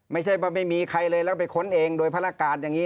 ไม่ใช่ว่าไม่มีใครเลยแล้วไปค้นเองโดยภารการอย่างนี้